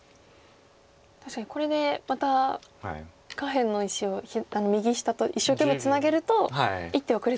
確かにこれでまた下辺の石を右下と一生懸命ツナげると１手後れちゃうんですもんね。